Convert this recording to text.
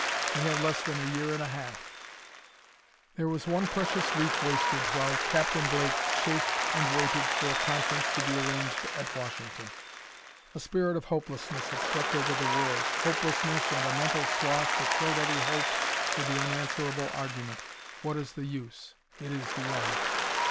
We have less than a year and a half...." There was one precious week wasted while Captain Blake chafed and waited for a conference to be arranged at Washington. A spirit of hopelessness had swept over the world hopelessness and a mental sloth that killed every hope with the unanswerable argument: "What is the use? It is the end."